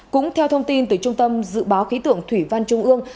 cũng theo thông tin từ trung tâm dự báo khí tượng thủy văn trung ương